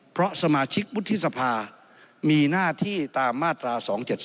เพราะสมาชิกวุฒิสภามีหน้าที่ตามมาตรา๒๗๒